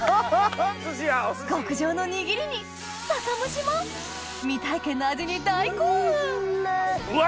極上のにぎりに酒蒸しも未体験な味に大興奮うわ！